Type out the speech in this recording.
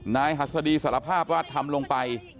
หัสดีสารภาพว่าทำลงไป